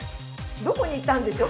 どこにいったんでしょう？